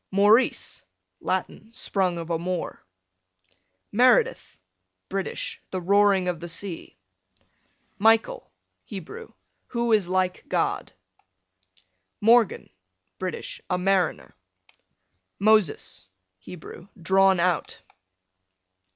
Maurice, Latin, sprung of a Moor. Meredith, British, the roaring of the sea. Michael, Hebrew, who is like God. Morgan, British, a mariner. Moses, Hebrew, drawn out.